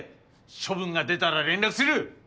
処分が出たら連絡する！